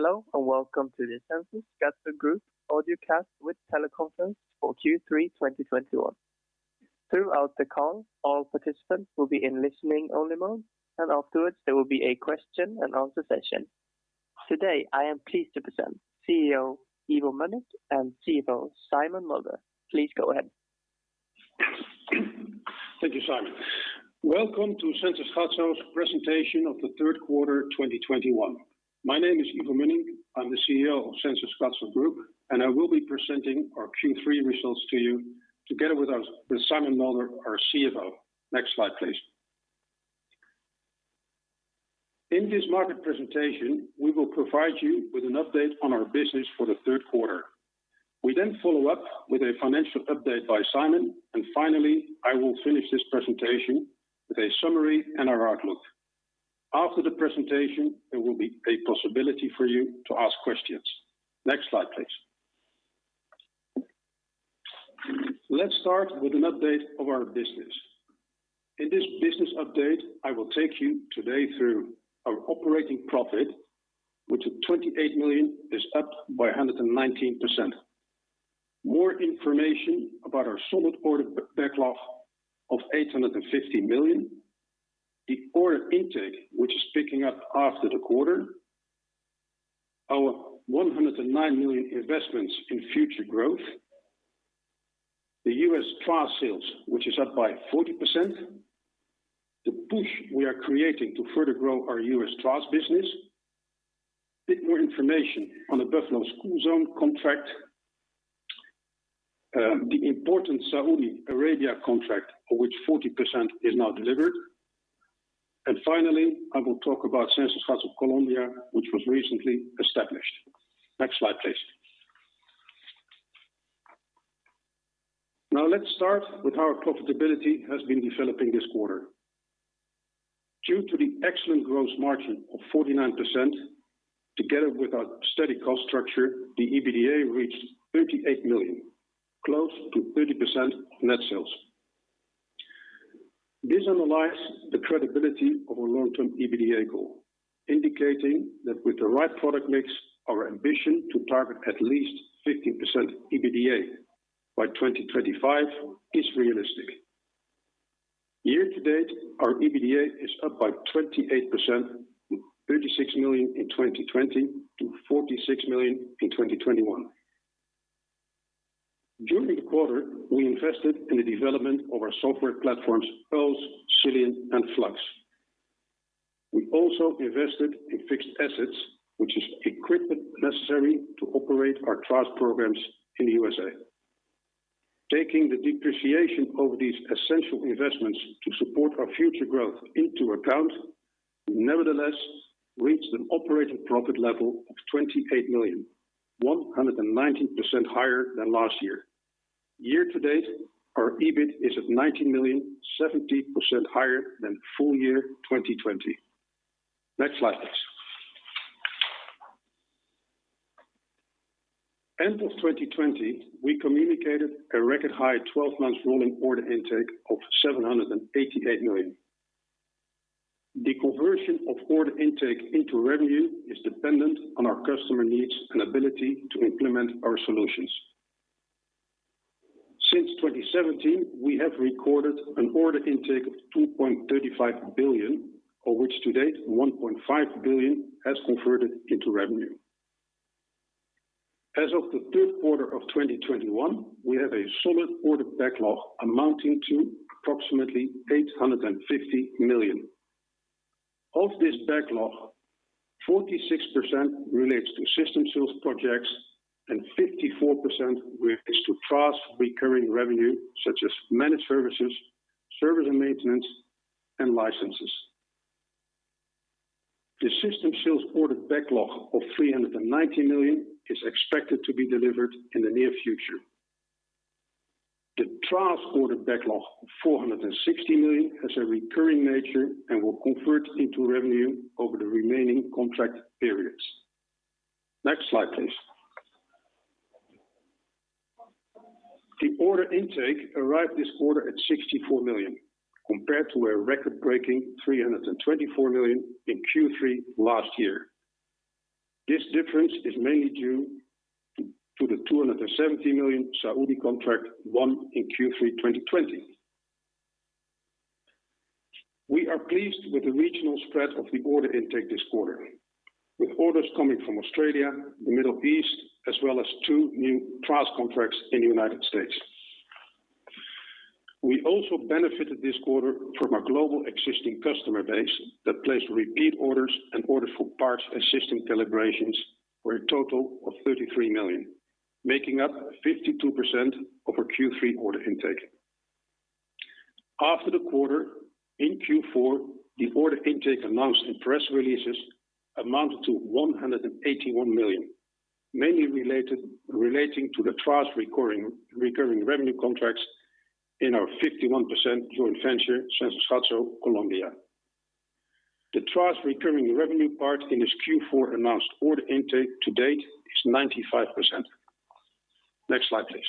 Hello, and welcome to the Sensys Gatso Group audio cast with Teleconference for Q3 2021. Throughout the call, all participants will be in listening only mode, and afterwards there will be a question and answer session. Today, I am pleased to present CEO Ivo Mönnink and CFO Simon Mulder. Please go ahead. Thank you, Simon. Welcome to Sensys Gatso's presentation of the Third Quarter 2021. My name is Ivo Mönnink. I'm the CEO of Sensys Gatso Group, and I will be presenting our Q3 results to you together with Simon Mulder, our CFO. Next slide, please. In this market presentation, we will provide you with an update on our business for the third quarter. We then follow up with a financial update by Simon, and finally, I will finish this presentation with a summary and our outlook. After the presentation, there will be a possibility for you to ask questions. Next slide, please. Let's start with an update of our business. In this business update, I will take you today through our operating profit, which at 28 million is up by 119%. More information about our solid order backlog of 850 million. The order intake, which is picking up after the quarter. Our 109 million investments in future growth. The U.S. TRAS sales, which is up by 40%. The push we are creating to further grow our U.S. TRAS business. A bit more information on the Buffalo school zone contract. The important Saudi Arabia contract, of which 40% is now delivered. I will talk about Sensys Gatso Colombia, which was recently established. Next slide, please. Now, let's start with how our profitability has been developing this quarter. Due to the excellent gross margin of 49%, together with our steady cost structure, the EBITDA reached 38 million, close to 30% of net sales. This underlies the credibility of our long-term EBITDA goal, indicating that with the right product mix, our ambition to target at least 50% EBITDA by 2025 is realistic. Year-to-date, our EBITDA is up by 28%, from 36 million in 2020 to 46 million in 2021. During the quarter, we invested in the development of our software platforms, Puls, Xilium, and Flux. We also invested in fixed assets, which is equipment necessary to operate our TRaaS programs in the U.S. Taking the depreciation of these essential investments to support our future growth into account, we nevertheless reached an operating profit level of 28 million, 119% higher than last year. Year-to-date, our EBIT is at 19 million, 17% higher than full year 2020. Next slide, please. End of 2020, we communicated a record high 12-month rolling order intake of 788 million. The conversion of order intake into revenue is dependent on our customer needs and ability to implement our solutions. Since 2017, we have recorded an order intake of 2.35 billion, of which to date 1.5 billion has converted into revenue. As of Q3 2021, we have a solid order backlog amounting to approximately 850 million. Of this backlog, 46% relates to system sales projects and 54% relates to TRAS recurring revenue such as managed services, service and maintenance, and licenses. The system sales order backlog of 390 million is expected to be delivered in the near future. The TRAS order backlog of 460 million has a recurring nature and will convert into revenue over the remaining contract periods. Next slide, please. The order intake arrived this quarter at 64 million, compared to a record-breaking 324 million in Q3 last year. This difference is mainly due to the 270 million Saudi contract won in Q3 2020. We are pleased with the regional spread of the order intake this quarter, with orders coming from Australia, the Middle East, as well as two new TRAS contracts in the United States. We also benefited this quarter from our global existing customer base that placed repeat orders and ordered for parts and system calibrations for a total of 33 million, making up 52% of our Q3 order intake. After the quarter, in Q4, the order intake announced in press releases amounted to 181 million, mainly relating to the TRAS recurring revenue contracts in our 51% joint venture, Sensys Gatso Colombia. The TRAS recurring revenue part in this Q4 announced order intake to date is 95%. Next slide, please.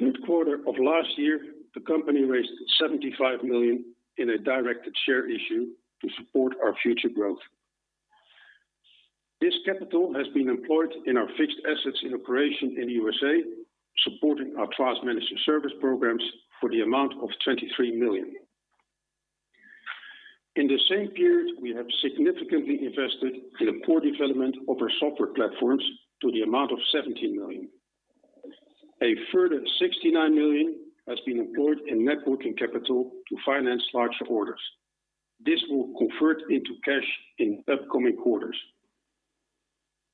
Third quarter of last year, the company raised 75 million in a directed share issue to support our future growth. This capital has been employed in our fixed assets in operation in U.S., supporting our TRaaS management service programs for the amount of 23 million. In the same period, we have significantly invested in the core development of our software platforms to the amount of 17 million. A further 69 million has been employed in working capital to finance larger orders. This will convert into cash in upcoming quarters.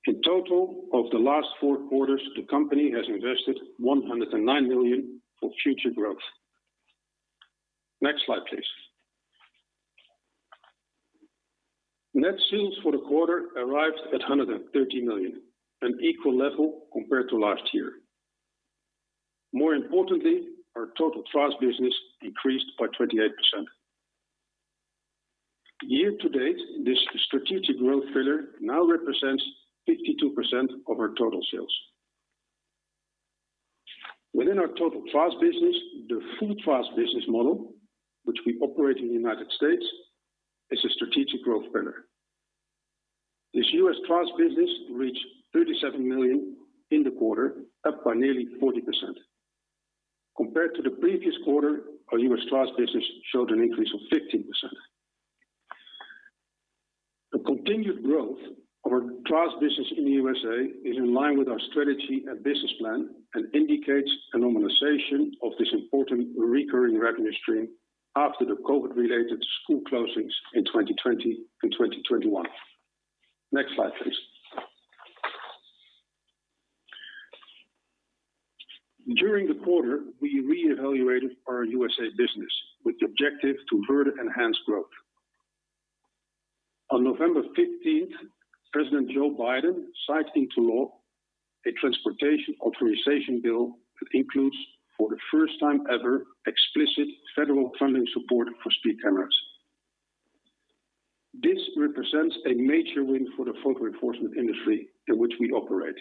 In total, of the last four quarters, the company has invested 109 million for future growth. Next slide, please. Net sales for the quarter arrived at 130 million, an equal level compared to last year. More importantly, our total TRaaS business increased by 28%. Year to date, this strategic growth pillar now represents 52% of our total sales. Within our total TRaaS business, the full TRaaS business model, which we operate in the United States, is a strategic growth pillar. This US TRaaS business reached 37 million in the quarter, up by nearly 40%. Compared to the previous quarter, our U.S. TRaaS business showed an increase of 15%. The continued growth of our TRaaS business in the USA is in line with our strategy and business plan and indicates a normalization of this important recurring revenue stream after the COVID-related school closings in 2020 and 2021. Next slide, please. During the quarter, we reevaluated our USA business with the objective to further enhance growth. On November 15th, President Joe Biden signed into law a transportation authorization bill that includes, for the first time ever, explicit federal funding support for speed cameras. This represents a major win for the photo enforcement industry in which we operate.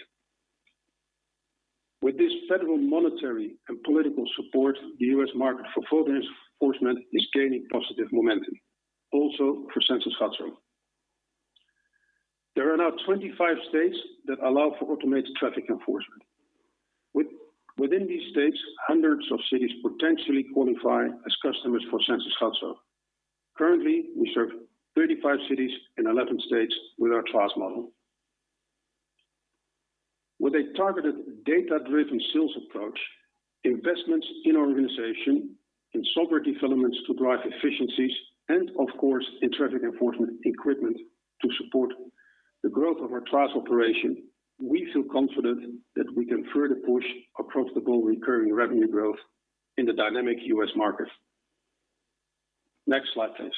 With this federal monetary and political support, the U.S. market for photo enforcement is gaining positive momentum, also for Sensys Gatso. There are now 25 states that allow for automated traffic enforcement. Within these states, hundreds of cities potentially qualify as customers for Sensys Gatso. Currently, we serve 35 cities in 11 states with our TRaaS model. With a targeted data-driven sales approach, investments in our organization, in software developments to drive efficiencies, and of course, in traffic enforcement equipment to support the growth of our TRaaS operation, we feel confident that we can further push our profitable recurring revenue growth in the dynamic U.S. market. Next slide, please.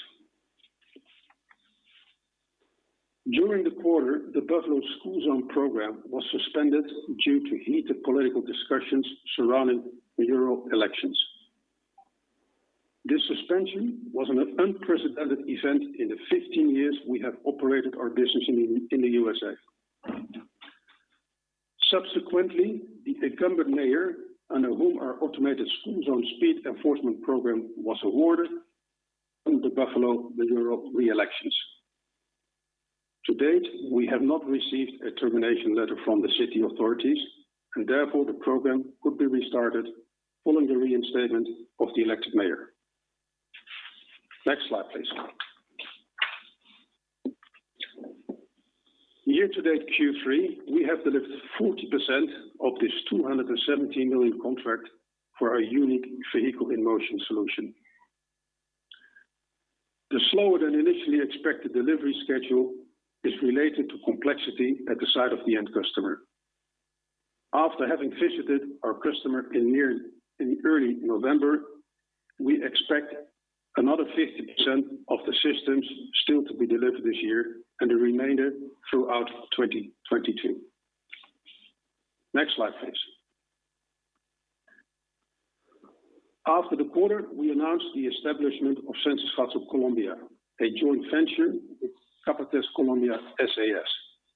During the quarter, the Buffalo school zone program was suspended due to heated political discussions surrounding the mayoral elections. This suspension was an unprecedented event in the 15 years we have operated our business in the U.S. Subsequently, the incumbent mayor under whom our automated school zone speed enforcement program was awarded won the Buffalo mayoral reelections. To date, we have not received a termination letter from the city authorities, and therefore the program could be restarted following the reinstatement of the elected mayor. Next slide, please. Year to date Q3, we have delivered 40% of this 270 million contract for our unique Vehicle-in-Motion solution. The slower than initially expected delivery schedule is related to complexity at the side of the end customer. After having visited our customer in early November, we expect another 50% of the systems still to be delivered this year and the remainder throughout 2022. Next slide, please. After the quarter, we announced the establishment of Sensys Gatso Colombia, a joint venture with Capatest Colombia SAS,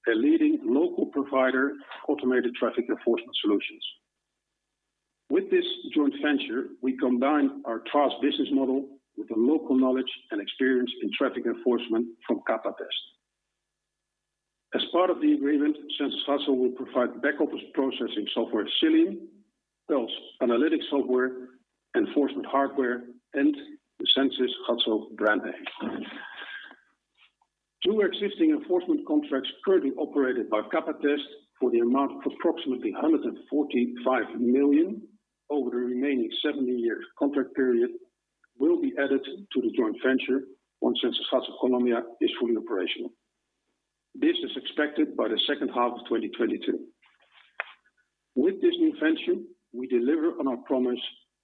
a leading local provider of automated traffic enforcement solutions. With this joint venture, we combine our TRaaS business model with the local knowledge and experience in traffic enforcement from Capatest. As part of the agreement, Sensys Gatso will provide back-office processing software, Xilium, Puls, analytics software, enforcement hardware, and the Sensys Gatso brand name. Two existing enforcement contracts currently operated by Capatest for the amount of approximately 145 million over the remaining seven-year contract period will be added to the joint venture once Sensys Gatso Colombia is fully operational. This is expected by the H2 of 2022. With this new venture, we deliver on our promise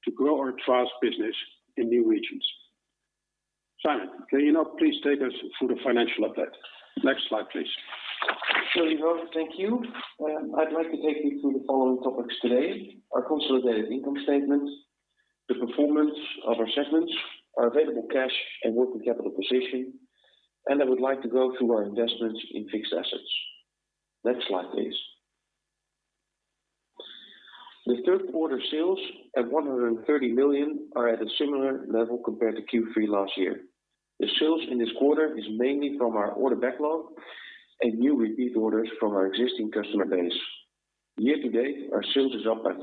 to grow our TRaaS business in new regions. Simon, can you now please take us through the financial update? Next slide, please. Sure, Ivo. Thank you. I'd like to take you through the following topics today. Our consolidated income statement, the performance of our segments, our available cash and working capital position, and I would like to go through our investments in fixed assets. Next slide, please. The third quarter sales at 130 million are at a similar level compared to Q3 last year. The sales in this quarter is mainly from our order backlog and new repeat orders from our existing customer base. Year-to-date, our sales is up by 4%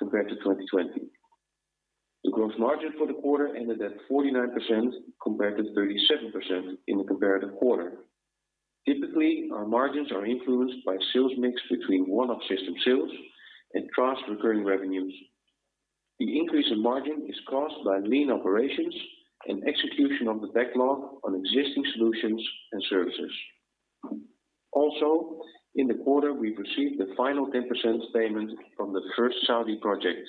compared to 2020. The gross margin for the quarter ended at 49% compared to 37% in the comparative quarter. Typically, our margins are influenced by sales mix between one-off system sales and TRaaS recurring revenues. The increase in margin is caused by lean operations and execution of the backlog on existing solutions and services. In the quarter, we received the final 10% payment from the first Saudi project,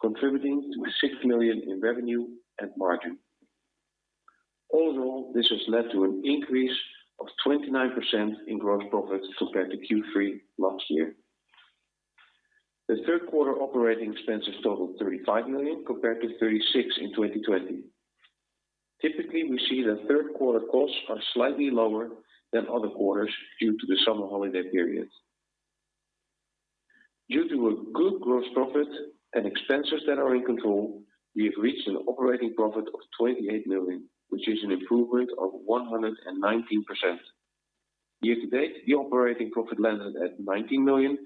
contributing to 6 million in revenue and margin. Overall, this has led to an increase of 29% in gross profits compared to Q3 last year. The third quarter operating expenses totaled 35 million compared to 36 million in 2020. Typically, we see that third quarter costs are slightly lower than other quarters due to the summer holiday periods. Due to a good gross profit and expenses that are in control, we have reached an operating profit of 28 million, which is an improvement of 119%. Year-to-date, the operating profit landed at 19 million,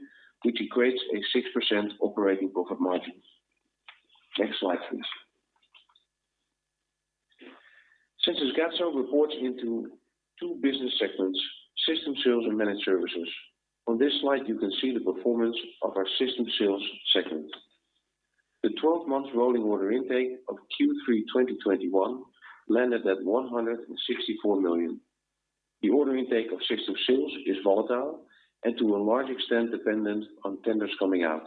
which equates a 6% operating profit margin. Next slide, please. Sensys Gatso reports into two business segments, system sales and managed services. On this slide, you can see the performance of our system sales segment. The 12-month rolling order intake of Q3 2021 landed at SEK 164 million. The order intake of system sales is volatile and to a large extent dependent on tenders coming out.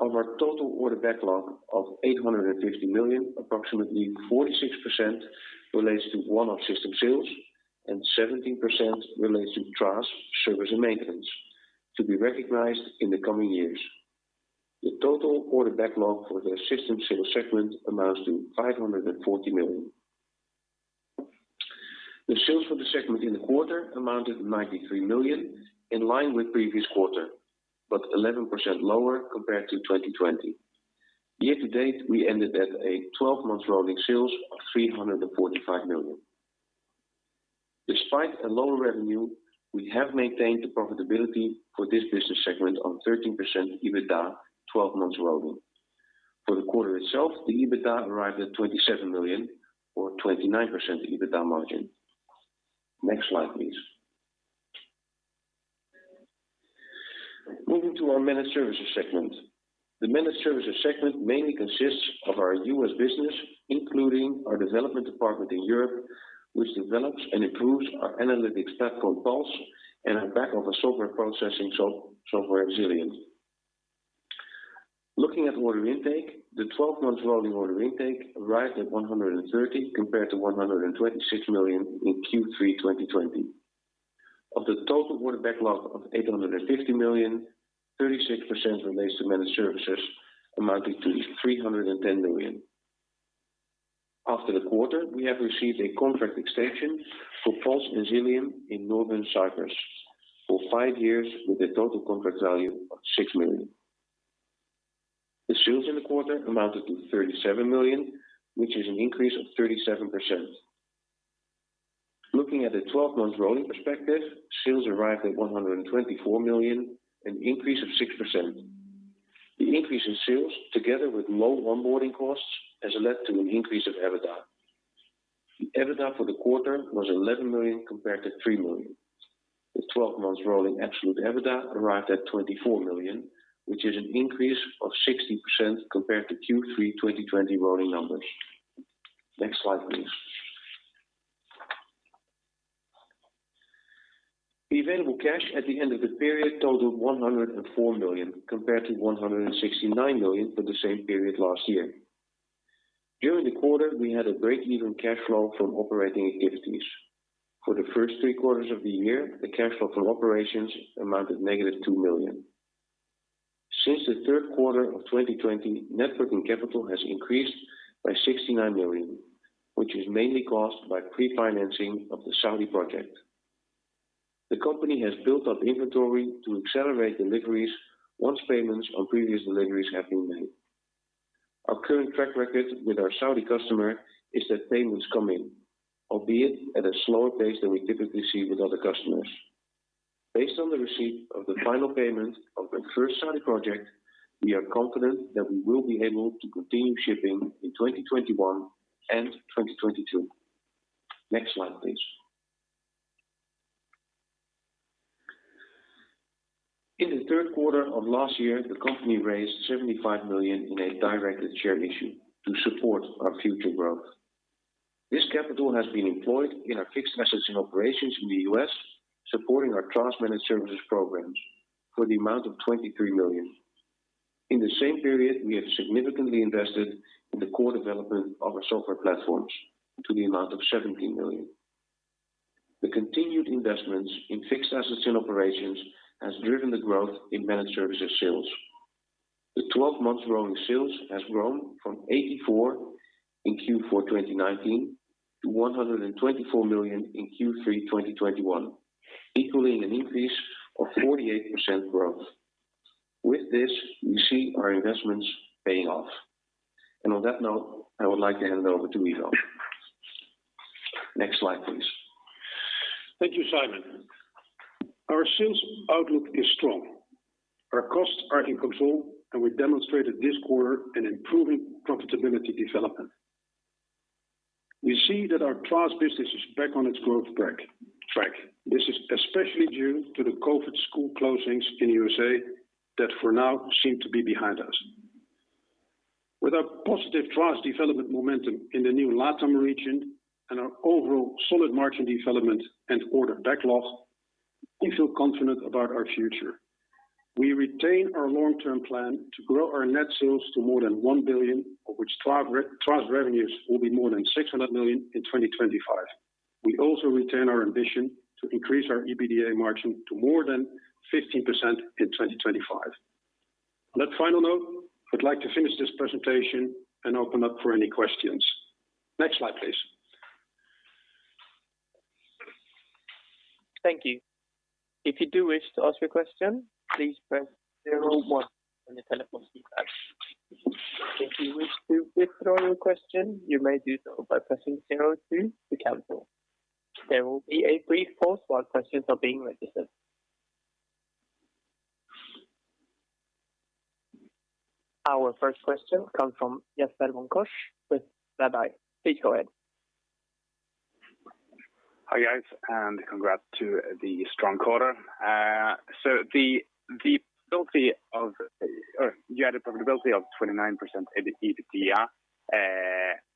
Of our total order backlog of 850 million, approximately 46% relates to one-off system sales and 17% relates to TRaaS service and maintenance to be recognized in the coming years. The total order backlog for the system sales segment amounts to 540 million. The sales for the segment in the quarter amounted to 93 million, in line with previous quarter, but 11% lower compared to 2020. Year-to-date, we ended at a 12-month rolling sales of 345 million. Despite a lower revenue, we have maintained the profitability for this business segment on 13% EBITDA twelve months rolling. For the quarter itself, the EBITDA arrived at 27 million or 29% EBITDA margin. Next slide, please. Moving to our managed services segment. The managed services segment mainly consists of our U.S. business, including our development department in Europe, which develops and improves our analytics platform, Puls, and our back-office software processing software, Xilium. Looking at order intake, the 12-month rolling order intake arrived at 130 million compared to 126 million in Q3 2020. Of the total order backlog of 850 million, 36% relates to managed services, amounting to 310 million. After the quarter, we have received a contract extension for Puls and Xilium in Northern Cyprus for five years with a total contract value of 6 million. The sales in the quarter amounted to 37 million, which is an increase of 37%. Looking at the 12-month rolling perspective, sales arrived at 124 million, an increase of 6%. The increase in sales, together with low onboarding costs, has led to an increase of EBITDA. The EBITDA for the quarter was 11 million compared to 3 million. The 12-month rolling absolute EBITDA arrived at 24 million, which is an increase of 60% compared to Q3 2020 rolling numbers. Next slide, please. The available cash at the end of the period totaled 104 million compared to 169 million for the same period last year. During the quarter, we had a break-even cash flow from operating activities. For the first three quarters of the year, the cash flow from operations amounted to -2 million. Since the third quarter of 2020, net working capital has increased by 69 million, which is mainly caused by pre-financing of the Saudi project. The company has built up inventory to accelerate deliveries once payments on previous deliveries have been made. Our current track record with our Saudi customer is that payments come in, albeit at a slower pace than we typically see with other customers. Based on the receipt of the final payment of the first Saudi project, we are confident that we will be able to continue shipping in 2021 and 2022. Next slide, please. In the third quarter of last year, the company raised 75 million in a directed share issue to support our future growth. This capital has been employed in our fixed assets and operations in the U.S., supporting our TRaaS managed services programs for the amount of 23 million. In the same period, we have significantly invested in the core development of our software platforms to the amount of 17 million. The continued investments in fixed assets and operations has driven the growth in managed services sales. The 12-month growing sales has grown from 84 million in Q4 2019 to 124 million in Q3 2021, equaling an increase of 48% growth. With this, we see our investments paying off. On that note, I would like to hand over to Ivo. Next slide, please. Thank you, Simon. Our sales outlook is strong. Our costs are in control, and we demonstrated this quarter an improving profitability development. We see that our TRaaS business is back on its growth track. This is especially due to the COVID school closings in the U.S. that for now seem to be behind us. With our positive TRaaS development momentum in the new LATAM region and our overall solid margin development and order backlog, we feel confident about our future. We retain our long-term plan to grow our net sales to more than 1 billion, of which TRaaS revenues will be more than 600 million in 2025. We also retain our ambition to increase our EBITDA margin to more than 15% in 2025. On that final note, I'd like to finish this presentation and open up for any questions. Next slide, please. Our first question comes from Jasper von Kosch with Redeye. Please go ahead. Hi, guys, and congrats to the strong quarter. The profitability you had of 29% in EBITDA,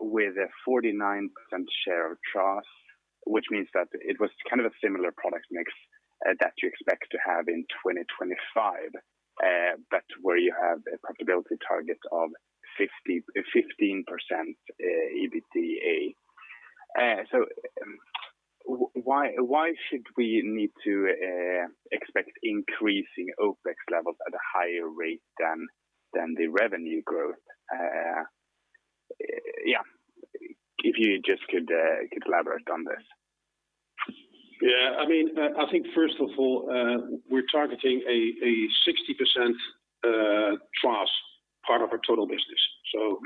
with a 49% share of TRaaS, which means that it was kind of a similar product mix that you expect to have in 2025, but where you have a profitability target of 15% EBITDA. Why should we need to expect increasing OPEX levels at a higher rate than the revenue growth? Yeah, if you just could elaborate on this. Yeah. I mean, I think first of all, we're targeting a 60% TRaaS part of our total business.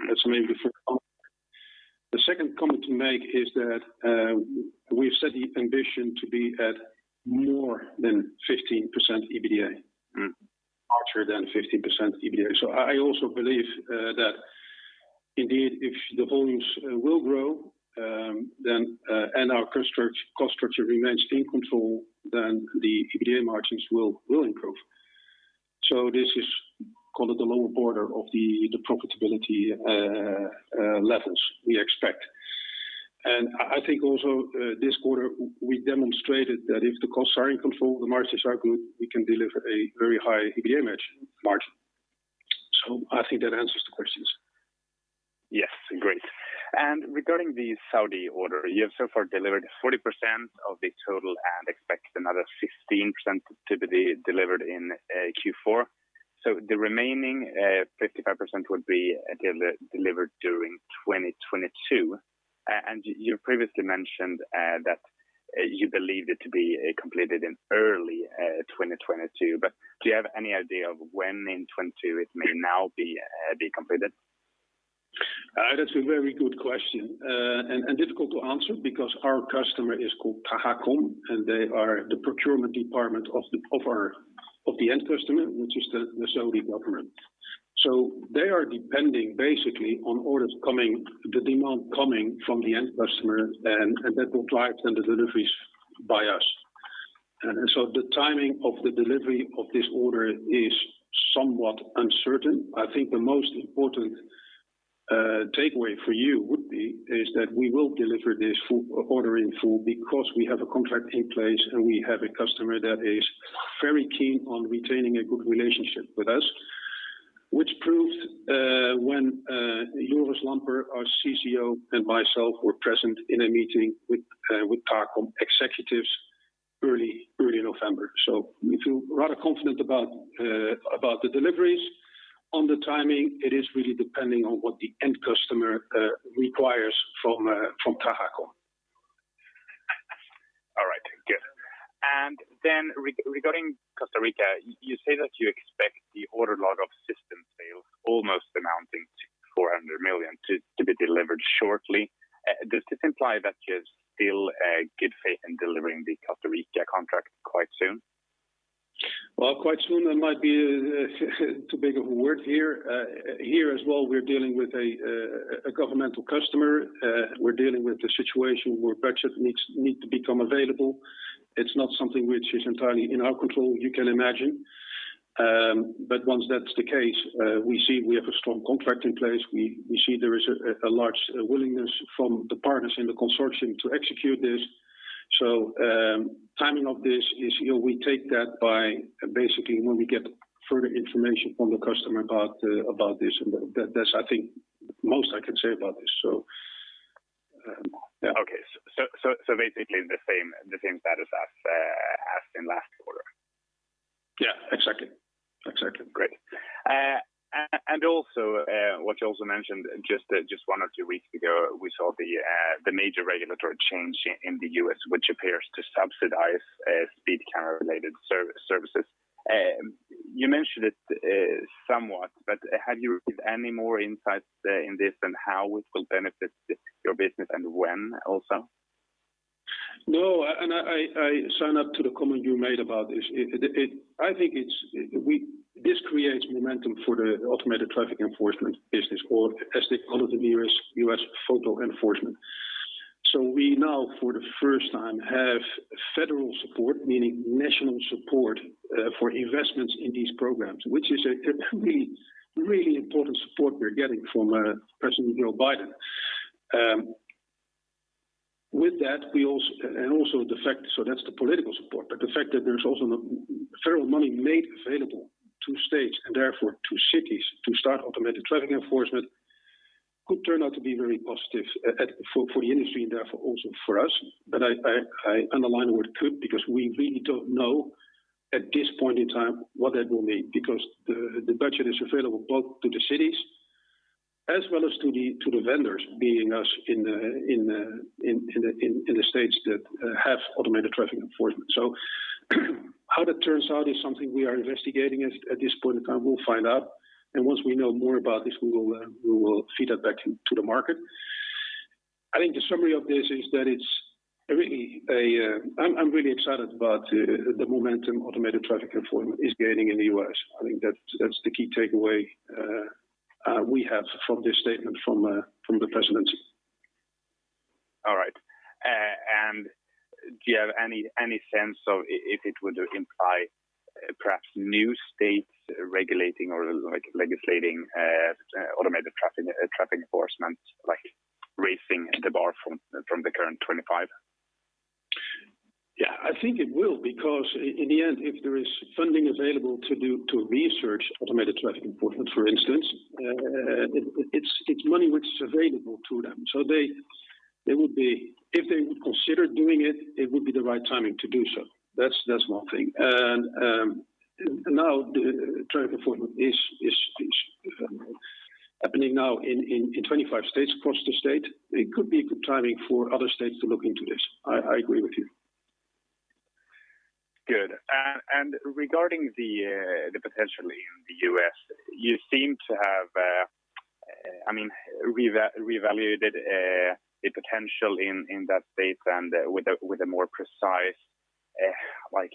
That's maybe the first comment. The second comment to make is that, we've set the ambition to be at more than 15% EBITDA, much rather than 15% EBITDA. I also believe that indeed if the volumes will grow, then and our cost structure remains in control, then the EBITDA margins will improve. This is called the lower border of the profitability levels we expect. I think also, this quarter we demonstrated that if the costs are in control, the margins are good, we can deliver a very high EBITDA margin. I think that answers the questions. Yes. Great. Regarding the Saudi order, you have so far delivered 40% of the total and expect another 15% to be delivered in Q4. The remaining 55% would be delivered during 2022. You previously mentioned that you believed it to be completed in early 2022. Do you have any idea of when in 2022 it may now be completed? That's a very good question and difficult to answer because our customer is called Tahakom, and they are the procurement department of the end customer, which is the Saudi government. They are depending basically on orders coming, the demand coming from the end customer and that will drive then the deliveries by us. The timing of the delivery of this order is somewhat uncertain. I think the most important takeaway for you is that we will deliver this full order in full because we have a contract in place, and we have a customer that is very keen on retaining a good relationship with us, which proved when Joris Lampe, our CCO, and myself were present in a meeting with Tahakom executives early November. We feel rather confident about the deliveries. On the timing, it is really depending on what the end customer requires from Tahakom. Regarding Costa Rica, you say that you expect the order backlog of system sales almost amounting to 400 million to be delivered shortly. Does this imply that you still have good faith in delivering the Costa Rica contract quite soon? Well, quite soon, that might be too big of a word here. Here as well, we're dealing with a governmental customer. We're dealing with a situation where budget needs to become available. It's not something which is entirely in our control, you can imagine. But once that's the case, we see we have a strong contract in place. We see there is a large willingness from the partners in the consortium to execute this. So, timing of this is, you know, we take that by basically when we get further information from the customer about this. That's, I think, most I can say about this. So. Okay. Basically the same status as in last quarter? Yeah. Exactly. Exactly. Great. And also, what you also mentioned just one or two weeks ago, we saw the major regulatory change in the U.S., which appears to subsidize speed camera related services. You mentioned it somewhat, but have you received any more insights in this and how it will benefit your business and when also? No. I sign up to the comment you made about this. This creates momentum for the automated traffic enforcement business or as they call it in the U.S., U.S. photo enforcement. We now, for the first time, have federal support, meaning national support, for investments in these programs, which is a really important support we're getting from President Joe Biden. With that, also the fact that's the political support. The fact that there's also federal money made available to states and therefore to cities to start automated traffic enforcement could turn out to be very positive for the industry and therefore also for us. I underline the word could, because we really don't know at this point in time what that will mean, because the budget is available both to the cities as well as to the vendors, being us in the states that have automated traffic enforcement. How that turns out is something we are investigating at this point in time. We'll find out. Once we know more about this, we will feed that back into the market. I think the summary of this is that I'm really excited about the momentum automated traffic enforcement is gaining in the U.S. I think that's the key takeaway we have from this statement from the presidency. All right. Do you have any sense of if it would imply perhaps new states regulating or like legislating automated traffic enforcement like raising the bar from the current 25? Yeah, I think it will because in the end, if there is funding available to research automated traffic enforcement, for instance, it's money which is available to them. If they would consider doing it would be the right timing to do so. That's one thing. Now the traffic enforcement is happening now in 25 states across the states. It could be a good timing for other states to look into this. I agree with you. Good. Regarding the potential in the U.S., you seem to have, I mean, reevaluated the potential in that space and with a more precise, like,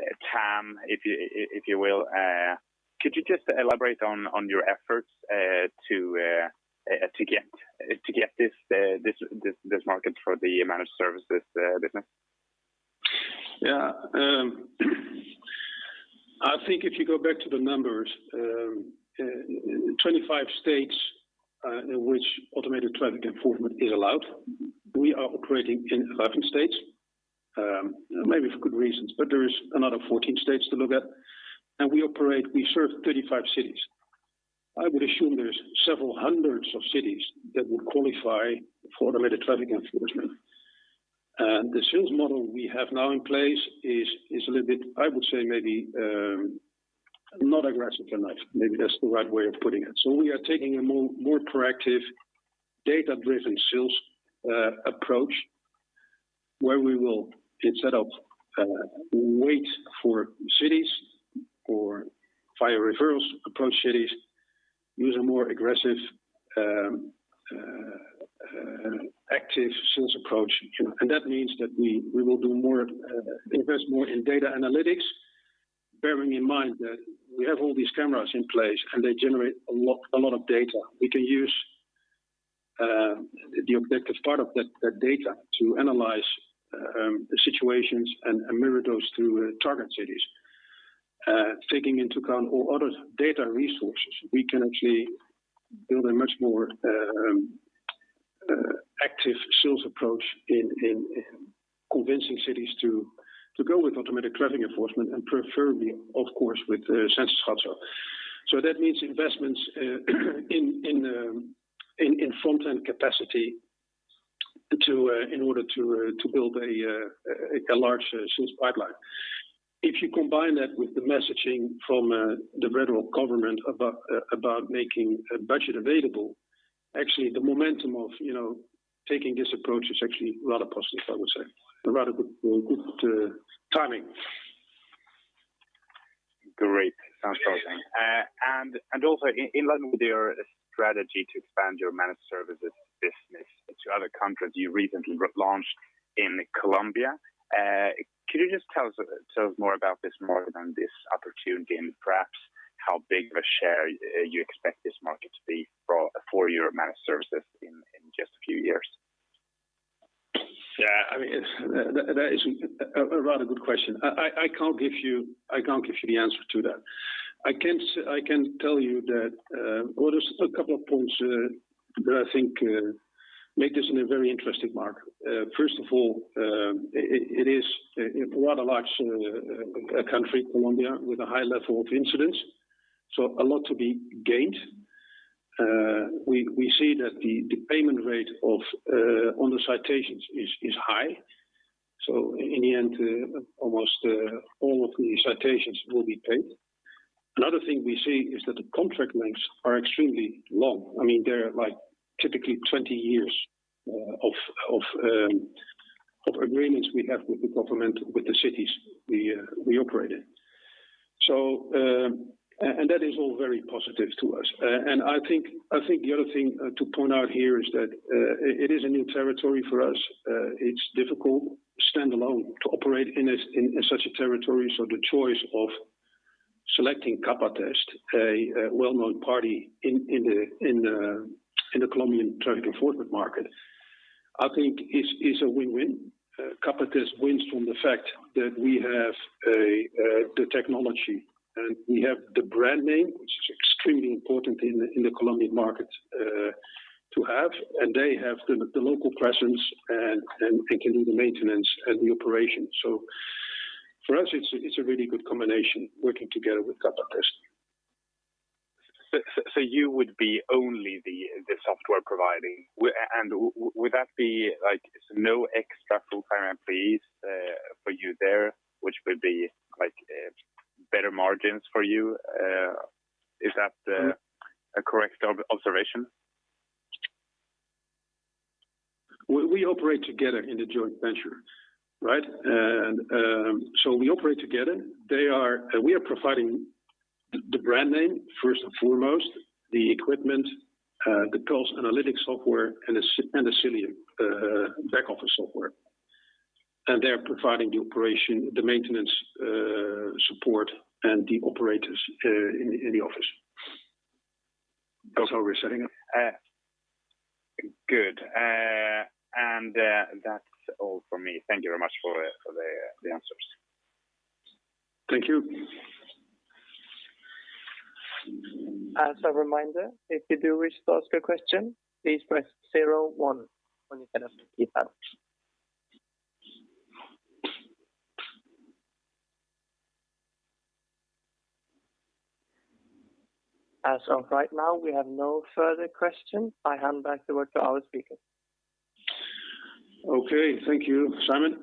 TAM, if you will. Could you just elaborate on your efforts to get this market for the managed services business? Yeah. I think if you go back to the numbers, 25 states in which automated traffic enforcement is allowed, we are operating in 11 states, maybe for good reasons. There is another 14 states to look at. We operate, we serve 35 cities. I would assume there's several hundreds of cities that would qualify for automated traffic enforcement. The sales model we have now in place is a little bit, I would say maybe, not aggressive enough. Maybe that's the right way of putting it. We are taking a more proactive data-driven sales approach, where we will, instead of wait for cities or via referrals approach cities, use a more aggressive active sales approach. That means that we will do more, invest more in data analytics, bearing in mind that we have all these cameras in place and they generate a lot of data. We can use the objective part of that data to analyze situations and mirror those through target cities. Taking into account all other data resources, we can actually build a much more active sales approach in convincing cities to go with automated traffic enforcement and preferably, of course, with Sensys Gatso's hardware. That means investments in front end capacity in order to build a large sales pipeline. If you combine that with the messaging from the federal government about making a budget available, actually the momentum of, you know, taking this approach is actually a lot of positive, I would say, a lot of good timing. Great. Sounds perfect. Also in line with your strategy to expand your managed services business into other countries, you recently re-launched in Colombia. Could you just tell us more about this market and this opportunity and perhaps how big of a share you expect this market to be for your managed services in just a few years? Yeah, I mean, that is a rather good question. I can't give you the answer to that. I can tell you that, well, there's a couple of points that I think make this a very interesting market. First of all, it is a large country, Colombia, with a high level of incidents. A lot to be gained. We see that the payment rate on the citations is high. In the end, almost all of the citations will be paid. Another thing we see is that the contract lengths are extremely long. I mean, they're like typically 20 years of agreements we have with the government, with the cities we operate in. That is all very positive to us. I think the other thing to point out here is that it is a new territory for us. It's difficult standalone to operate in such a territory. The choice of selecting Capatest, a well-known party in the Colombian traffic enforcement market, I think is a win-win. Capatest wins from the fact that we have the technology and we have the brand name, which is extremely important in the Colombian market to have, and they have the local presence and can do the maintenance and the operation. For us it's a really good combination working together with Capatest. You would be only the software providing. Would that be like no extra full-time employees for you there, which would be like better margins for you? Is that a correct observation? We operate together in the joint venture, right? We operate together. We are providing the brand name first and foremost, the equipment, the Puls analytics software and the Xilium back office software. They're providing the operation, the maintenance, support and the operators in the office. That's how we're setting up. Good. That's all from me. Thank you very much for the answers. Thank you. As a reminder, if you do wish to ask a question, please press zero one on your telephone keypad. As of right now, we have no further questions. I hand back the word to our speaker. Okay. Thank you, Simon.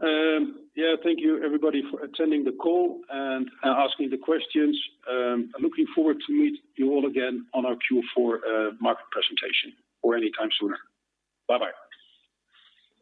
Yeah, thank you everybody for attending the call and asking the questions. I'm looking forward to meet you all again on our Q4 market presentation or anytime sooner. Bye-bye.